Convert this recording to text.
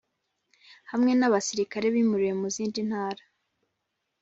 Hamwe n abasirikare bimuriwe mu zindi ntara